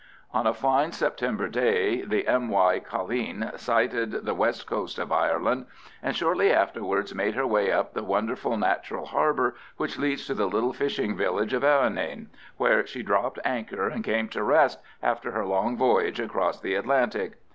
On a fine September day the M.Y. Colleen sighted the west coast of Ireland, and shortly afterwards made her way up the wonderful natural harbour which leads to the little fishing village of Errinane, where she dropped anchor and came to rest after her long voyage across the Atlantic.